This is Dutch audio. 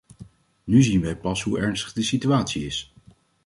Nu zien wij pas hoe ernstig de situatie is.